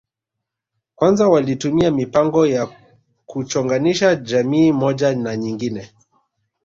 Kwanza walitumia mipango ya kuchonganisha jamii moja na nyingine